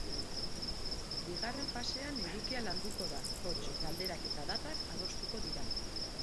Bigarren fasean edukia landuko da, hots, galderak eta datak adostuko dira.